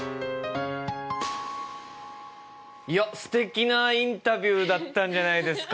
いやすてきなインタビューだったんじゃないですか？